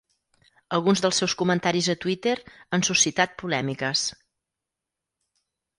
Alguns dels seus comentaris a Twitter han suscitat polèmiques.